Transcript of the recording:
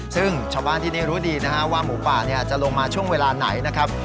ซึ่งชาวบ้านที่นี่รู้ดีนะฮะว่าหมูป่าจะลงมาช่วงเวลาไหนนะครับ